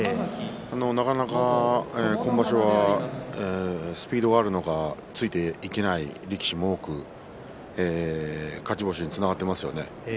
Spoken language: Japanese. なかなか今場所はスピードがあるのかついていけない力士も多く勝ち星につながっていますよね。